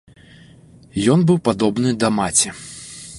Ён быў падобны да маці.